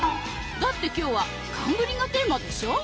だって今日は寒ブリがテーマでしょ？